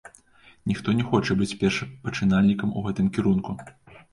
Ніхто не хоча быць першапачынальнікам у гэтым кірунку.